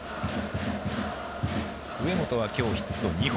上本は今日ヒット２本。